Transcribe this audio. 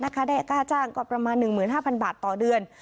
ค่าได้ค่าจ้างก็ประมาณ๑๕๐๐บาทต่อเดือน